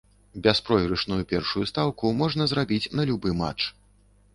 Бяспройгрышную першую стаўку можна зрабіць на любы матч.